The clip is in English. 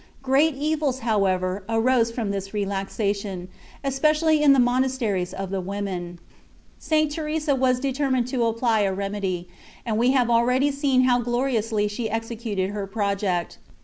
* Great evils, however, arose from this relaxation, especially in the monasteries of the women. St. Teresa was deter mined to apply a remedy ; and we have already seen how gloriously she executed her project.